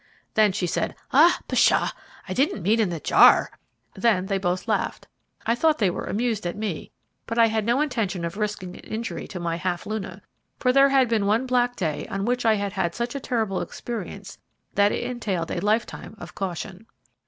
Then she said, "Aw pshaw! I didn't mean in the jar!" Then they both laughed. I thought they were amused at me, but I had no intention of risking an injury to my Half luna, for there had been one black day on which I had such a terrible experience that it entailed a lifetime of caution.